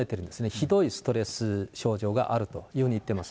ひどいストレス症状があるというふうに言ってます。